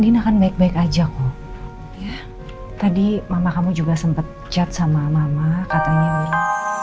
nama kamu juga sempat jat sama mama katanya